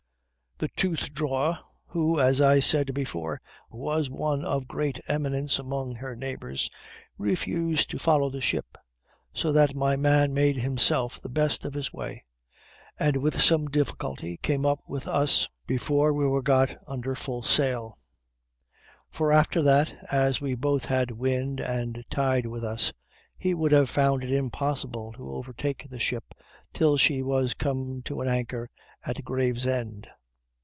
The tooth drawer, who, as I said before, was one of great eminence among her neighbors, refused to follow the ship; so that my man made himself the best of his way, and with some difficulty came up with us before we were got under full sail; for after that, as we had both wind and tide with us, he would have found it impossible to overtake the ship till she was come to an anchor at Gravesend.